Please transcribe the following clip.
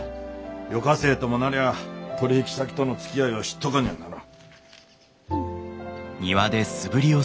予科生ともなりゃあ取引先とのつきあいを知っとかにゃあならん。